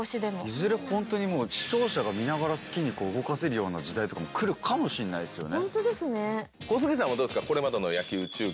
いずれ視聴者が見ながら、好きに動かせる時代も来るかもしれないですよね。